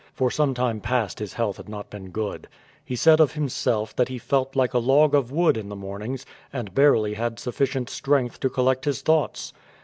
For some time past his health had not been good. He said of himself that he felt like a log of wood in the morn ings^ and barely had sufficient strength to collect his thoughts.